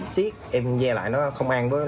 xít em ve lại nó không ăn